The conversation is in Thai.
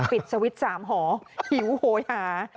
ปิดสวิตช์๓หอหิวโหยา